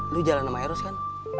lu jalan sama erus kan